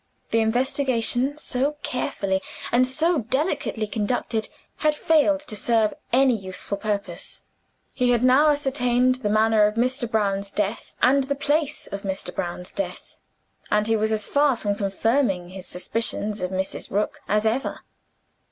The investigation so carefully and so delicately conducted had failed to serve any useful purpose. He had now ascertained the manner of Mr. Brown's death and the place of Mr. Brown's death and he was as far from confirming his suspicions of Mrs. Rook as ever.